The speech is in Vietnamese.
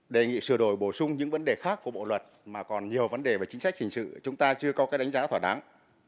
đề nghị sửa đổi bổ sung những vấn đề khác của bộ luật mà còn nhiều vấn đề về chính sách hình sự chúng ta chưa có cái đánh giá thỏa đáng